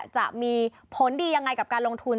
จะมีผลดียังไงกับการลงทุน